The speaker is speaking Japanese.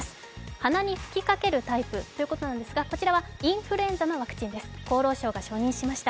鼻に吹きかけるタイプということですがこちらはインフルエンザのワクチンです、厚労省が承認しました。